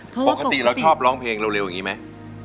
ปกติเราชอบร้องเพลงเร็วอย่างนี้ไหม